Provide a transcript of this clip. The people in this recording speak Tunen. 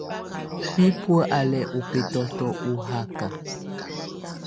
Bibuǝ́ á lɛ ɔ́ bɛtɔtɔ ɔ haka.